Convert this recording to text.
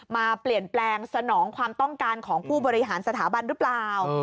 มาเปลี่ยนแปลงสนองความต้องการของผู้บริหารสถาบันหรือเปล่า